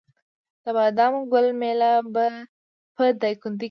د بادام ګل میله په دایکنډي کې ده.